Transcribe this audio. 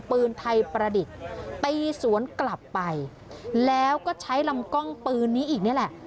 ปืนไทยประดิษฐ์ตีสวนกลับไปแล้วก็ใช้ลำกล้องปืนนี้อีกนี่แหละ